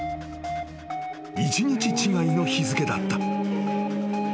［１日違いの日付だった］